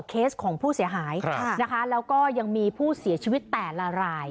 เคสของผู้เสียหายนะคะแล้วก็ยังมีผู้เสียชีวิตแต่ละราย